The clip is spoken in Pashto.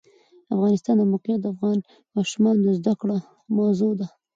د افغانستان د موقعیت د افغان ماشومانو د زده کړې موضوع ده.